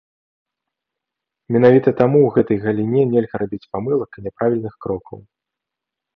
Менавіта таму ў гэтай галіне нельга рабіць памылак і няправільных крокаў.